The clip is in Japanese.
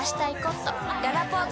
ららぽーと